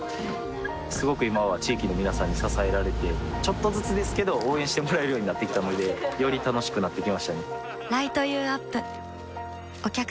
すごく今は地域の皆さんに支えられてちょっとずつですけど応援してもらえるようになってきたのでより楽しくなってきましたね